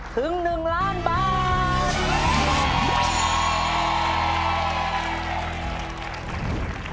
ถึง๑ล้านบาท